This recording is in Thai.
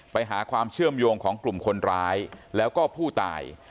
ไปหาความเชื่อมโยงของกลุ่มคนร้ายแล้วก็ผู้ตาย